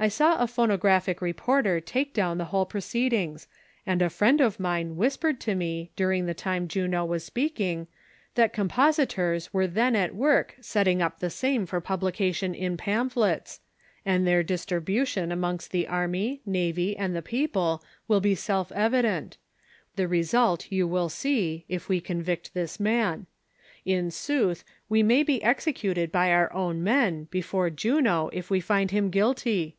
"I saw a phonographic reporter take down the whole pro ceedings, and a friend of mine whispered to me, during the time Juno was speaking, that compositors were tlien at work setting up the same for publication in pamphlets; and their distribution amongst the army, navy and tlie 362 THE SOCIAL WAR OF 1900; OR, people, will be self evident ; the result you Avill see, if we convict this man. In sooth, we may be executed by our own men, before Juno, if we find him guilty.